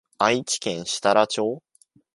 愛知県設楽町